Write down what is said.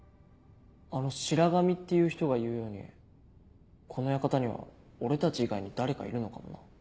あの白神っていう人が言うようにこの館には俺たち以外に誰かいるのかもな。